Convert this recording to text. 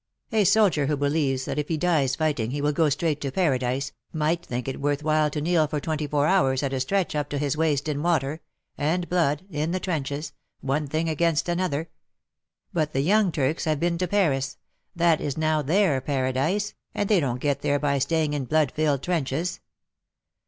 A soldier who believes that if he dies fighting he will go straight to Paradise, might think it worth while to kneel for twenty four hours at a stretch up to his waist in water — and blood — in the trenches, — one thing against another !— But the young Turks have been to Paris — that is now their Paradise, and they don't get there by staying in blood filled trenches.